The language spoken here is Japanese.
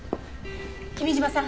君嶋さん